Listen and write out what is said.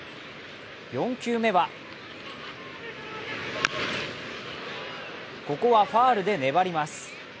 ４球目はここはファウルで粘ります。